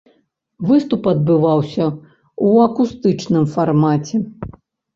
Выступ адбываўся ў акустычным фармаце.